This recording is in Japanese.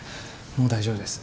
もう大丈夫です。